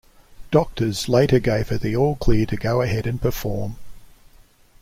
Doctors later gave her the all clear to go ahead and perform.